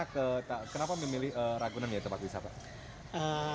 kenapa memilih ragunan ya tempat wisata